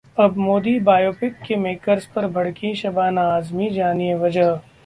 अब मोदी बायोपिक के मेकर्स पर भड़कीं शबाना आजमी, जानिए वजह